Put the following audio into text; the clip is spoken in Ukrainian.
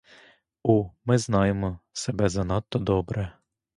О, ми знаємо себе занадто добре!